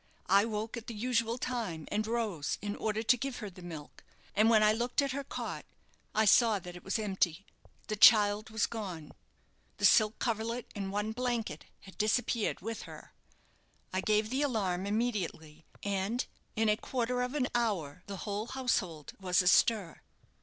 I woke at the usual time, and rose, in order to give her the milk, and when I looked at her cot, I saw that it was empty. The child was gone. The silk coverlet and one blanket had disappeared with her. I gave the alarm immediately, and in a quarter of an hour the whole household was a stir."